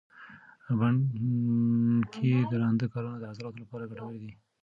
بڼ کې درانده کارونه د عضلاتو لپاره ګټور دي.